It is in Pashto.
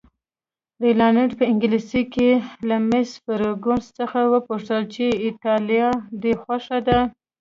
رینالډي په انګلیسي کې له مس فرګوسن څخه وپوښتل چې ایټالیه دې خوښه ده؟